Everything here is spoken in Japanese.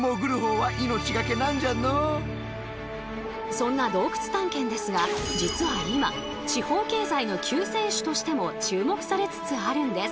そんな洞窟探検ですが実は今地方経済の救世主としても注目されつつあるんです。